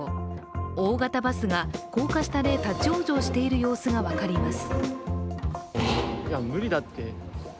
大型バスが高架下で立往生している様子が分かります。